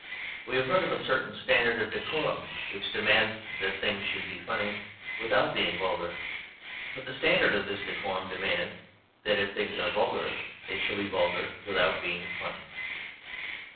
We have heard of a certain standard of decorum which demands that things should be funny without being vulgar, but the standard of this decorum demands that if things are vulgar they shall be vulgar without being funny.